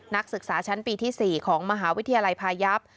นักศึกษาชั้นปีที่๔ของมหาวิทยาลัยพายับ